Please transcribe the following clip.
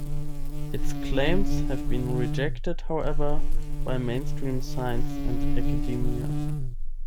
Its claims have been rejected, however, by mainstream science and academia.